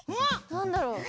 なんだろう？